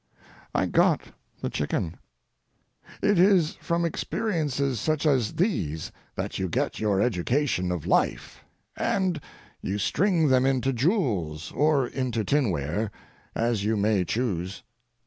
I got the chicken. It is from experiences such as these that you get your education of life, and you string them into jewels or into tinware, as you may choose.